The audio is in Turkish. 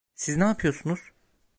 Siz ne yapıyorsunuz?